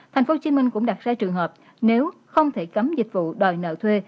tp hcm cũng đặt ra trường hợp nếu không thể cấm dịch vụ đòi nợ thuê